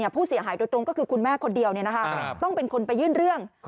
ผู้เสียหายโดยตรงก็คือคุณแม่คนเดียวต้องเป็นคนไปยื่นเรื่อง